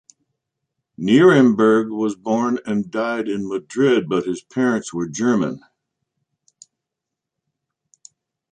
Nieremberg was born and died in Madrid, but his parents were German.